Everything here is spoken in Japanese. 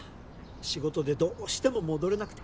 仕事でどうしても戻れなくて。